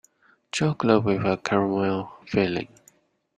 Chocolate with a caramel filling.